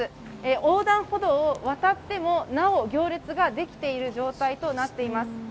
横断歩道を渡ってもなお行列ができている状態となっています。